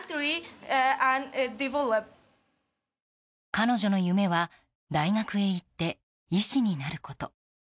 彼女の夢は大学へ行って医師になること。